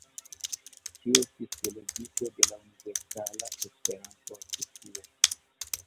Ŝi estis delegito de la Universala Esperanto-Asocio.